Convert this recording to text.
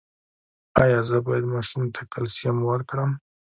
ایا زه باید ماشوم ته کلسیم ورکړم؟